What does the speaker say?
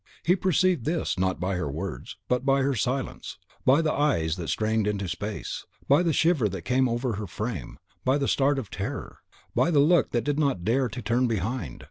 He perceived this, not by her words, but her silence; by the eyes that strained into space; by the shiver that came over her frame; by the start of terror; by the look that did not dare to turn behind.